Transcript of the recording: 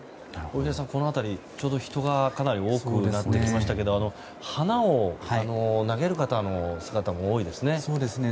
大平さん、この辺りちょうど人がかなり多くなってきましたけれども花を投げる方の姿も多いですね。